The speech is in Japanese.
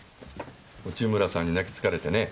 内村さんに泣きつかれてね。